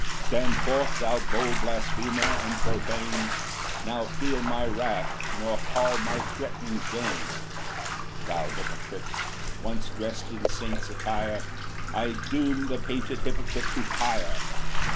7 "Stand forth, thou bold blasphemer and profane, "Now feel my wrath, nor call my threatenings vain, "Thou hypocrite, once drest in saint's attire, "I doom the painted hypocrite to fire."